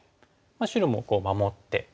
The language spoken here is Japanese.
白も守って。